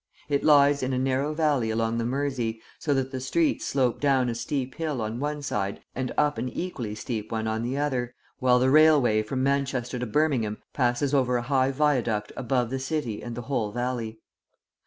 It lies in a narrow valley along the Mersey, so that the streets slope down a steep hill on one side and up an equally steep one on the other, while the railway from Manchester to Birmingham passes over a high viaduct above the city and the whole valley.